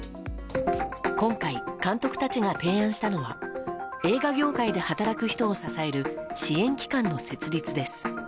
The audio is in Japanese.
今回、監督たちが提案したのは映画業界で働く人を支える支援機関の設立です。